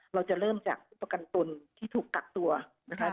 เราจะเริ่มจากผู้ประกันตนที่ถูกกักตัวนะคะ